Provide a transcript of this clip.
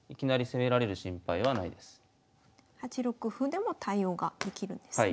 ８六歩でも対応ができるんですね。